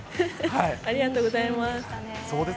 ありがとうございます。